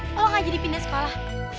eva lo gak jadi pindah sekolah